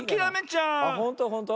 ほんとほんと？